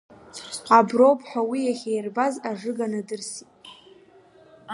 Аброуп ҳәа уи иахьиирбаз ажыга надырсит.